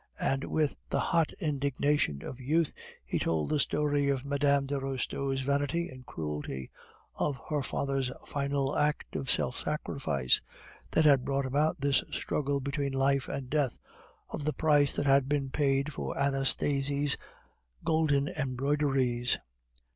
And with the hot indignation of youth, he told the story of Mme. de Restaud's vanity and cruelty, of her father's final act of self sacrifice, that had brought about this struggle between life and death, of the price that had been paid for Anastasie's golden embroideries.